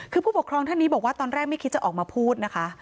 คือผู้ปกครองท่านนี้บอกว่าตอนแรกไม่คิดจะออกมาพูดนะคะ